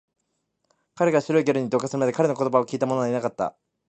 彼が白いゲルに同化するまで、彼の言葉を聞いたものはいなかった